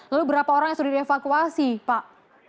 lalu berapa orang yang sudah dievakuasi pak